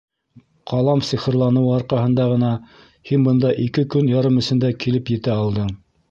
Ҡалам сихырланыуы арҡаһында ғына һин бында ике көн ярым эсендә килеп етә алдың.